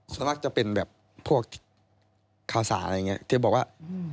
ส่วนมากจะเป็นแบบพวกข่าวสารอะไรอย่างนี้ที่บอกว่า